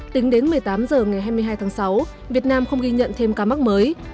tính đến một mươi tám h ngày hai mươi hai tháng sáu việt nam không ghi nhận thêm ca mắc mới